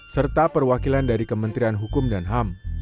serta perwakilan dari kementerian hukum dan ham